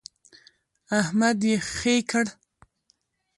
احمد يې خې کړ.